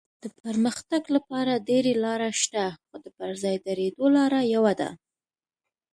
د پرمختګ لپاره ډېرې لارې شته خو د پر ځای درېدو لاره یوه ده.